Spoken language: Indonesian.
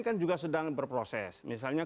kan juga sedang berproses misalnya